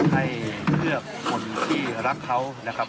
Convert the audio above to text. ให้เลือกคนที่รักเขานะครับ